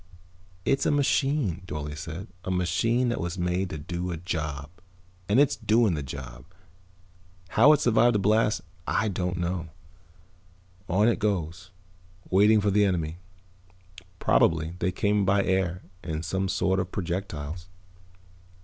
"It's a machine," Dorle said. "A machine that was made to do a job. And it's doing the job. How it survived the blast I don't know. On it goes, waiting for the enemy. Probably they came by air in some sort of projectiles."